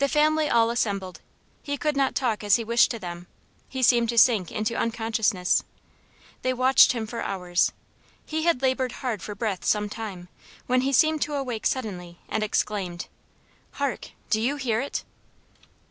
The family all assembled. He could not talk as he wished to them. He seemed to sink into unconsciousness. They watched him for hours. He had labored hard for breath some time, when he seemed to awake suddenly, and exclaimed, "Hark! do you hear it?"